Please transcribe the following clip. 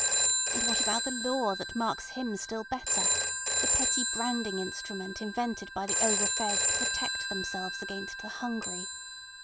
And what about the law that marks him still better—the pretty branding instrument invented by the overfed to protect themselves against the hungry?